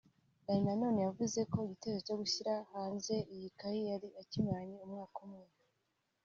Danny Nanone yavuze ko igitekerezo cyo gushyira hanze iyi kayi yari akimaranye umwaka umwe